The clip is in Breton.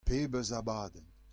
Pebezh abadenn !